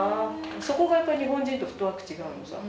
そこがやっぱり日本人とフットワーク違うのさ。